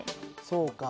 そうか。